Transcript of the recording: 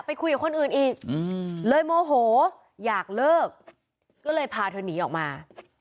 คุยกับคนอื่นอีกเลยโมโหอยากเลิกก็เลยพาเธอหนีออกมา